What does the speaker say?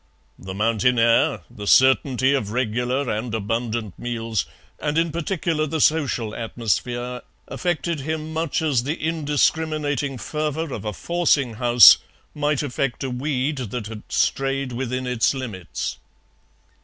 The mountain air, the certainty of regular and abundant meals, and in particular the social atmosphere, affected him much as the indiscriminating fervour of a forcing house might affect a weed that had strayed within its limits.